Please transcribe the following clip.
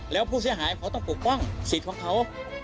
แล้วผู้เสียหายเขาต้องปกป้องสิทธิ์ของเขา